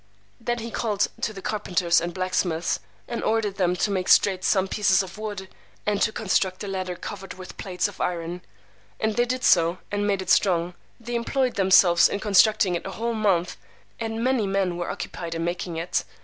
Then he called to the carpenters and blacksmiths, and ordered them to make straight some pieces of wood, and to construct a ladder covered with plates of iron. And they did so, and made it strong. They employed themselves in constructing it a whole month, and many men were occupied in making it.